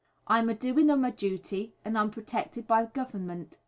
I'm a doin' o' my duty, and I'm protected by th' Government."